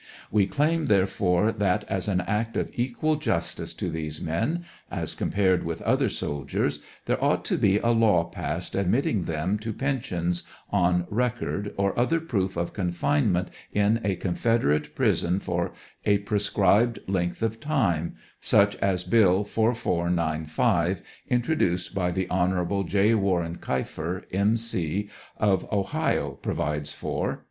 We claim, therefore, that as an act of equal justice to these men, as compared with other soldiers, there ought to be a law passed ad mitting them to pensions on record or other proof of confinement in a confederate prison for a prescribed length of time — such as Bill 4495 — introduced by the Hon. J, Warren Keifer, M. C, of Ohio provides for.